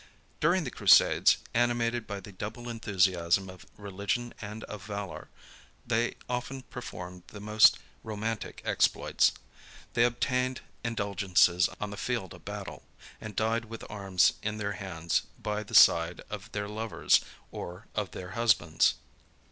During the crusades, animated by the double enthusiasm of religion and of valor, they often performed the most romantic exploits. They obtained indulgences on the field of battle, and died with arms in their hands, by the side of their lovers, or of their husbands.